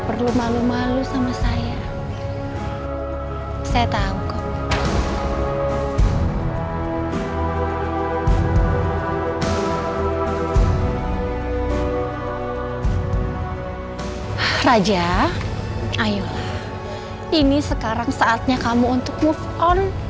raja ayolah ini sekarang saatnya kamu untuk move on